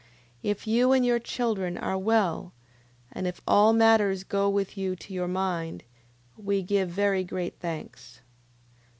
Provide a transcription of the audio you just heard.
9:20. If you and your children are well, and if all matters go with you to your mind, we give very great thanks.